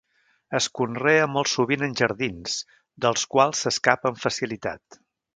Es conrea molt sovint en jardins, dels quals s'escapa amb facilitat.